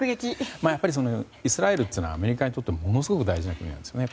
イスラエルというのはアメリカにとってものすごく大事な国なんですね。